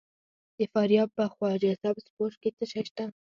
د فاریاب په خواجه سبز پوش کې څه شی شته؟